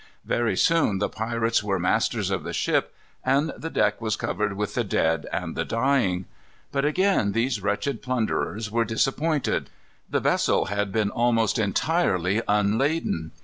Very soon the pirates were masters of the ship, and the deck was covered with the dead and the dying. But again these wretched plunderers were disappointed. The vessel had been almost entirely unladen.